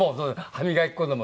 歯磨き粉でもね